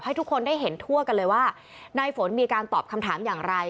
ให้ทุกคนได้เห็นทั่วกันเลยว่าในฝนมีการตอบคำถามอย่างไร